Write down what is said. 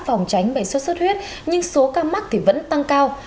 phòng tránh bệnh số xuất huyết nhưng số ca mắc thì vẫn tăng cao